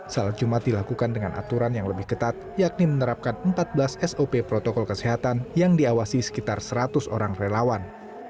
salat jumat dilakukan dengan aturan yang lebih ketat yakni menerapkan empat belas sop protokol kesehatan yang diawasi sekitar seratus orang relawan